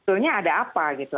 sebetulnya ada apa gitu